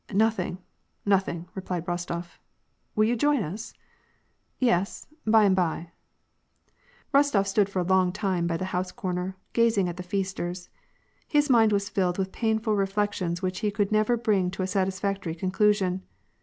" Nothing, nothing," replied Rostof. " Will you join us ?"" Yes, by and by." Rostof stood for a long time by the house comer, gazing at the f casters. His mind was filled with painful reflections which he could never bring to a satisfactory conclusion.